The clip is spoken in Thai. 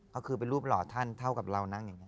ก็คือเป็นรูปหล่อท่านเท่ากับเรานะอย่างนี้